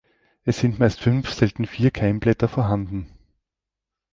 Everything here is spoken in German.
Es sind meist fünf, selten vier Keimblätter vorhanden.